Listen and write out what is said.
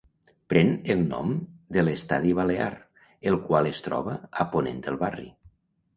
Pren el nom de l'Estadi Balear, el qual es troba a ponent del barri.